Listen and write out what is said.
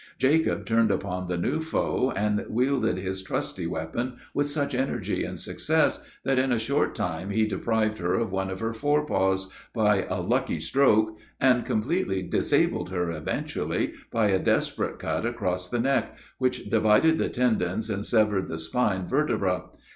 Jacob turned upon the new foe, and wielded his trusty weapon with such energy and success, that in a short time he deprived her of one of her fore paws by a lucky stroke, and completely disabled her, eventually, by a desperate cut across the neck, which divided the tendons and severed the spinal vertebrae.